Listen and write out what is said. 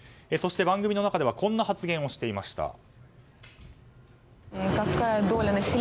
そして番組の中ではこんな発言をしていました。